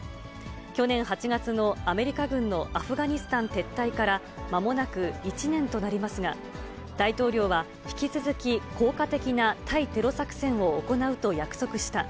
去年８月のアメリカ軍のアフガニスタン撤退からまもなく１年となりますが、大統領は引き続き、効果的な対テロ作戦を行うと約束した。